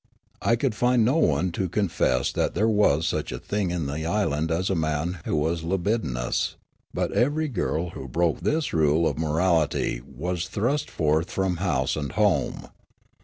I could find 5 66 Riallaro no one to confess that there was such a thing in the island as a man who was libidinous, but ever)' girl who broke this rule of morality was thrust forth from house and home.